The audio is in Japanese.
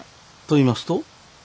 と言いますと？